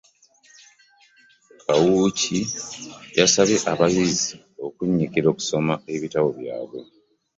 Kawuki yasabye abayizi okunyiikira okusoma ebitabo byabwe